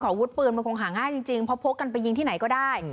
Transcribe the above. อาวุธปืนมันคงหาง่ายจริงเพราะพกกันไปยิงที่ไหนก็ได้